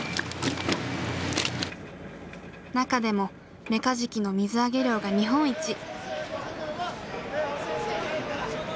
中でもメカジキの水揚げ量が日本一。